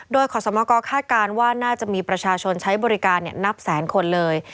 โดยขอสมกรคาดการณ์ว่าน่าจะมีประชาชนใช้บริการนับแสนคนเลย